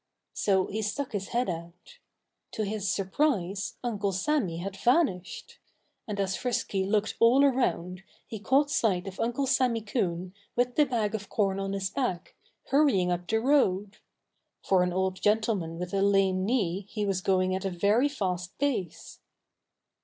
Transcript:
So he stuck his head out. To his surprise, Uncle Sammy had vanished. And as Frisky looked all around he caught sight of Uncle Sammy Coon with the bag of corn on his back, hurrying up the road. For an old gentleman with a lame knee he was going at a very fast pace.